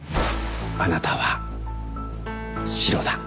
あなたはシロだ。